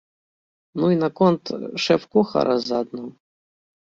Ну і наконт шэф-кухара заадно.